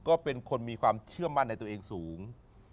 ก็เป็นคนมีความเชื่อมั่นในตัวเองสูง